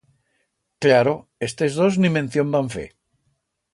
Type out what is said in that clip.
Cllaro, estes dos ni mención van fer.